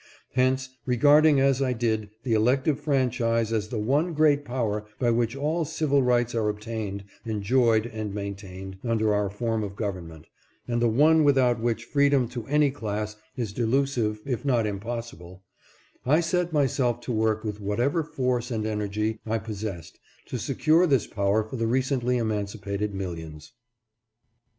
Hence, regarding as I did the elective franchise as the one great power by which all civil rights are obtained, en joyed, and maintained under our form of government, and the one without which freedom to any class is delusive if not impossible, I set myself to work with whatever force and energy I possessed to secure this power for the recently emancipated millions.